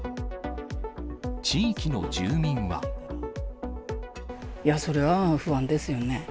地域の住民は。それは不安ですよね。